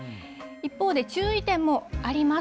一方で注意点もあります。